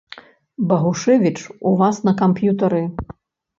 Багушэвіч у вас на камп'ютары.